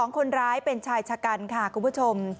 คนร้ายเป็นชายชะกันค่ะคุณผู้ชม